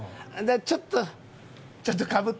ちょっとちょっと何？